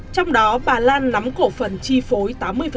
trong đó bà lan nắm cổ phần chi phối tám mươi